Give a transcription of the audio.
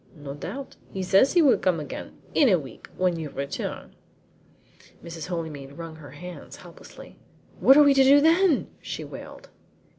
"No doubt. He says he will come again in a week when you return." Mrs. Holymead wrung her hands helplessly. "What are we to do then?" she wailed.